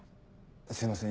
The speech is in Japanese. すいません